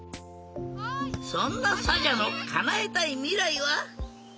そんなサジャのかなえたいみらいは？